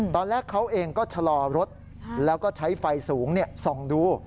ตอนแรกเขาเองก็ชะลอรถแล้วก็ใช้ไฟสูงส่องดู